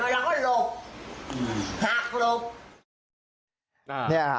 เราก็กลัวของเราจะเสียหายหน่อยเราก็หลบ